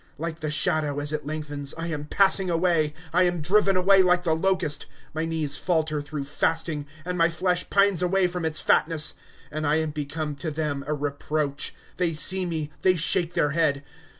^^ Like the shadow, as it lengthens, I am passing away ; I am driven away like the locust. ^* My knees falter through fasting. And znj flesii pines away from [its] fatness. ^^ And I am become to them a reproach ; They see rae, they shake their head.